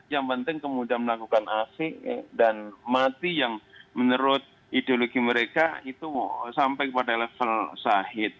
yang penting kemudian melakukan asing dan mati yang menurut ideologi mereka itu sampai pada level sahid